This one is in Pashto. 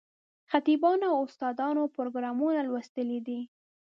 خطیبانو او استادانو پروګرامونه لوستلي دي.